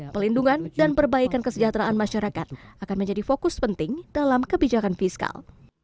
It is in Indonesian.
pelindungan dan perbaikan kesejahteraan masyarakat akan menjadi fokus penting dalam kebijakan fiskal